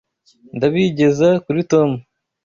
Nzabigeza kuri Tom.